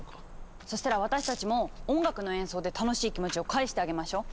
そしたら私たちも音楽の演奏で楽しい気持ちを返してあげましょ。